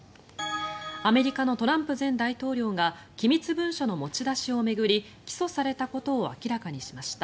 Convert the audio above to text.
アメリカのトランプ前大統領が機密文書の持ち出しを巡り起訴されたことを明らかにしました。